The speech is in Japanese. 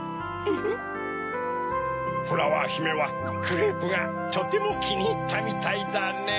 フラワーひめはクレープがとてもきにいったみたいだねぇ！